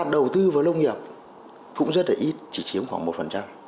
đầu tư vào lông nghiệp cũng rất là ít chỉ chiếm khoảng một